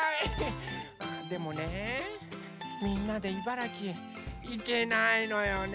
でもねみんなで茨城へいけないのよね。